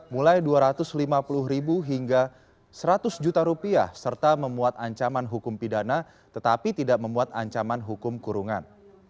mulai rp dua ratus lima puluh hingga rp seratus serta memuat ancaman hukum pidana tetapi tidak memuat ancaman hukum kurungan